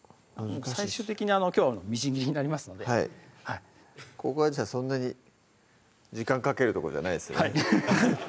最終的にきょうはみじん切りになりますのでここはじゃあそんなに時間かけるとこじゃないですよね